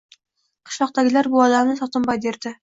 Qishloqdagilar bu odamni Sotimboy derdi.